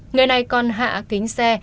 người này còn hạ kính xe